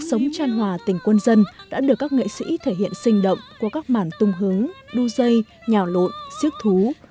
sống mãi với điện biên thể hiện sinh động của các màn tung hứng đu dây nhào lộn siếc thú